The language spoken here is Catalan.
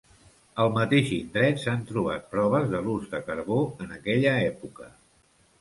Al mateix indret s'han trobat proves de l'ús de carbó en aquella època.